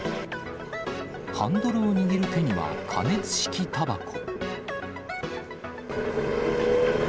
ハンドルを握る手には加熱式たばこ。